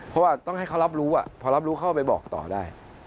เพราะว่าต้องให้เขารับรู้พอรับรู้เขาก็ไปบอกต่อได้